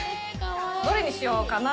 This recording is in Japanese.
どれにしようかな。